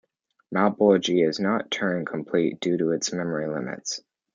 Malbolge is not Turing-complete, due to its memory limits.